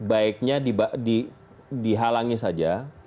baiknya dihalangi saja